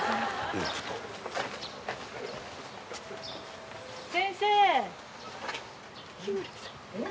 うんちょっと・えっ？